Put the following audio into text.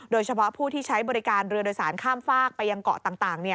โดยเฉพาะผู้ที่ใช้บริการเรือโดยสารข้ามฝากไปยังเกาะต่าง